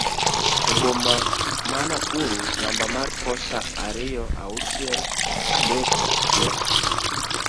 e boma ma Nakuru namba mar posta ariyo auchiel adek achiel